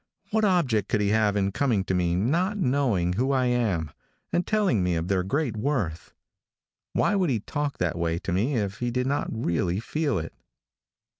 What object could he have in coming to me, not knowing who I am, and telling me of their great worth? Why would he talk that way to me if he did not really feel it?